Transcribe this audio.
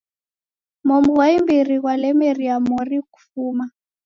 Momu ghwa imbiri ghwalemie mori kufuma.